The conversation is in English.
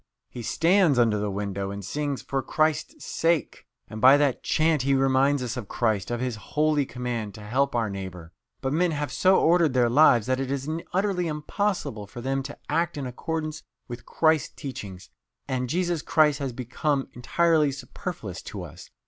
He stands under the window and sings, 'For Christ's sa ake!' and by that chant he reminds us of Christ, of His holy command to help our neighbour. But men have so ordered their lives that it is utterly impossible for them to act in accordance with Christ's teaching, and Jesus Christ has become entirely superfluous to us.